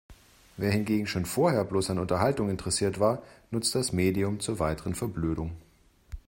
Wer hingegen schon vorher bloß an Unterhaltung interessiert war, nutzt das Medium zur weiteren Verblödung.